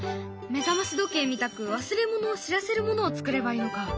目覚まし時計みたく忘れ物を知らせるものをつくればいいのか。